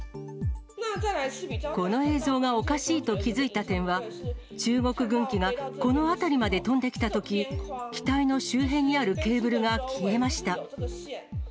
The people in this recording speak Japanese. この映像がおかしいと気付いた点は、中国軍機がこの辺りまで飛んできたとき、機体の周辺にあるケーブルが消えました。